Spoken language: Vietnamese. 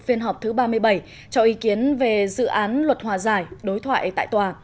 phiên họp thứ ba mươi bảy cho ý kiến về dự án luật hòa giải đối thoại tại tòa